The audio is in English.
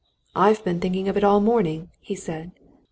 "I've been thinking of it all the morning!" he said.